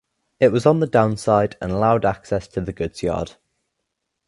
It was on the down side and allowed access to the goods yard.